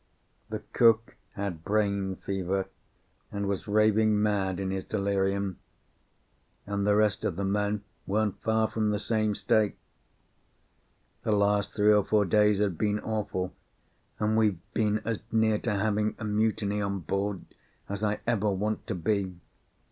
The cook had brain fever, and was raving mad in his delirium; and the rest of the men weren't far from the same state. The last three or four days had been awful, and we had been as near to having a mutiny on board as I ever want to be.